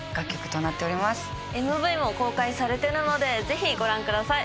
ＭＶも公開されてるのでぜひご覧ください。